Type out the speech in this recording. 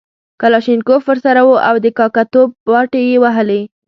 کلاشینکوف ورسره وو او د کاکه توب باټې یې وهلې.